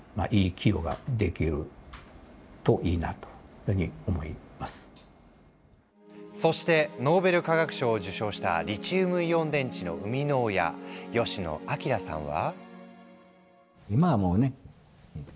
でそれによってそしてノーベル化学賞を受賞したリチウムイオン電池の生みの親吉野彰さんは。